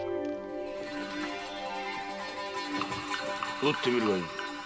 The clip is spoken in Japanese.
撃ってみるがよい。